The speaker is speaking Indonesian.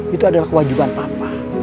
itu adalah kewajiban papa